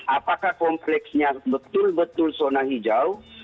apakah kompleksnya betul betul zona hijau